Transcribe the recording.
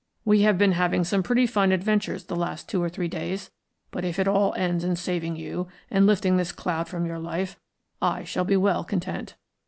We have been having some pretty fine adventures the last two or three days but if it all ends in saving you and lifting this cloud from your life I shall be well content.